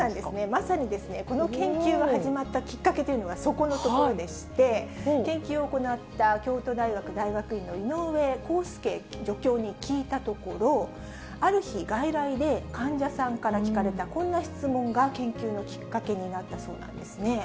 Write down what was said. まさにですね、この研究が始まったきっかけというのはそこのところでして、研究を行った京都大学大学院の井上浩輔助教に聞いたところ、ある日、外来で患者さんから聞かれたこんな質問が、研究のきっかけになったそうなんですね。